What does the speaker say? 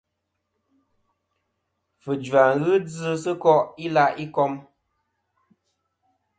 Fujva ghɨ djɨ sɨ ko' i la' ikom.